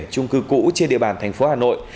trung cư cũ trên địa bàn thành phố hà nội